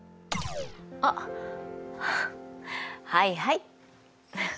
あっはいはい。